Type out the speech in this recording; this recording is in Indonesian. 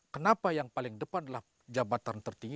kenapa yang paling depan adalah jabatan tertinggi